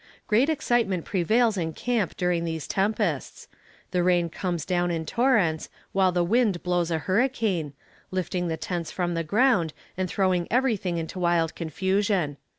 Great excitement prevails in camp during those tempests the rain comes down in torrents, while the wind blows a hurricane lifting the tents from the ground, and throwing everything into wild confusion.